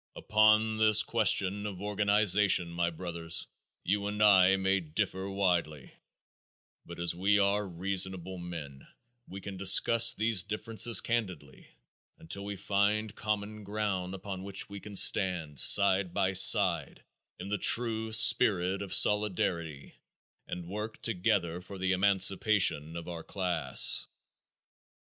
Upon this question of organization, my brothers, you and I may differ widely, but as we are reasonable men, we can discuss these differences candidly until we find common ground upon which we can stand side by side in the true spirit of solidarity and work together for the emancipation of our class.